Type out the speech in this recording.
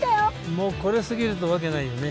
もうこれ過ぎるとわけないよね